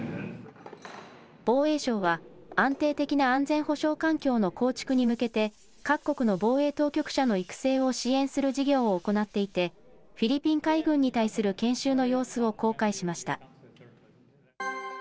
防衛省は安定的な安全保障環境の構築に向けて、各国の防衛当局者の育成を支援する事業を行っていて、フィリピン海軍に対する研修の様子を公開しました。